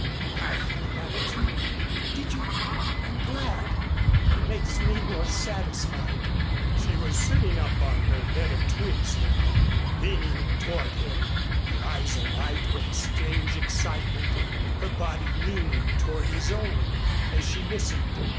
I felt that, too." "Did you? I'm glad. It makes me more satisfied." She was sitting up on her bed of twigs now, leaning toward him, her eyes alight with a strange excitement, her body leaning toward his own, as she listened.